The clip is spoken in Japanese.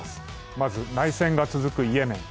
まず、内戦が続くイエメン。